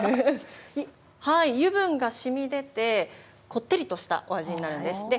はい、油分がしみでて、こってりとしたお味になるんですって。